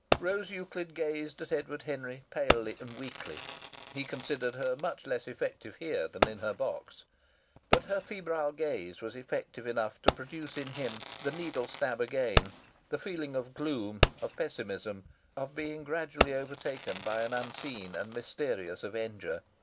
Rose Euclid gazed at Edward Henry palely and weakly. He considered her much less effective here than in her box. But her febrile gaze was effective enough to produce in him the needle stab again, the feeling of gloom, of pessimism, of being gradually overtaken by an unseen and mysterious avenger.